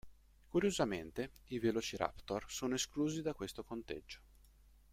Curiosamente, i Velociraptor sono esclusi da questo conteggio.